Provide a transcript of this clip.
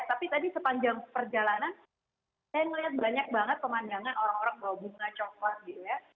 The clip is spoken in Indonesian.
tapi tadi sepanjang perjalanan saya melihat banyak banget pemandangan orang orang bawa bunga coklat gitu ya